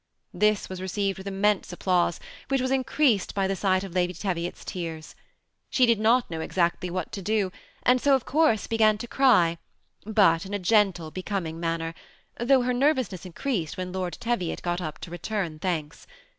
This was received with inunense applause, which was increased by the sight of Lady Teviot's tears. She did not know exactly what to do, and so of course began to cry, but in a gentle, becoming manner, though her nervousness increased when Lord Teviot got up to return thanks.